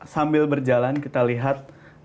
sambil berjalan kita lihat